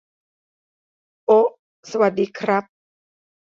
โอะ สวัสดีครับ